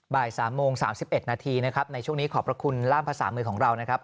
บ่าย๓โมง๓๑นาทีนะครับในช่วงนี้ขอบพระคุณล่ามภาษามือของเรานะครับ